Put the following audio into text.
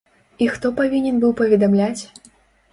І хто павінен быў паведамляць?